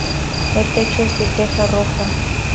El techo es de teja roja.